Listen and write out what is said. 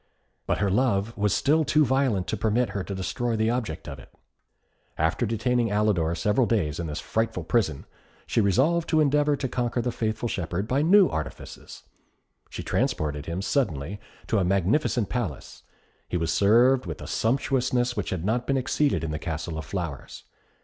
But her love was still too violent to permit her to destroy the object of it. After detaining Alidor several days in this frightful prison, she resolved to endeavour to conquer the faithful shepherd by new artifices. She transported him suddenly to a magnificent palace. He was served with a sumptuousness which had not been exceeded in the Castle of Flowers.